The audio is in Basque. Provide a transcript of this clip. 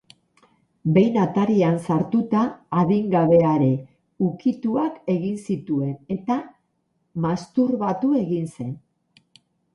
Behin atarian sartuta, adingabeari ukituak egin zituen, eta masturbatu egin zen.